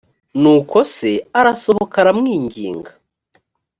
nuko se arasohoka aramwinginga